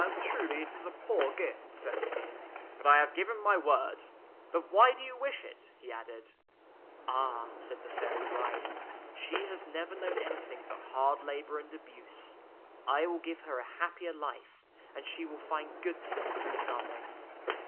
" Truly it is a poor gift," said the King, " but I have given my word. But why do you wish it? " he added. " Ah," said the fairy bride, " she has never known anything but hard labor and abuse. I will give her a happier life, and she will find goodness through loving."